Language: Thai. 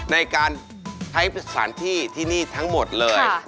ในการใช้สถานที่ที่นี่ทั้งหมดเลย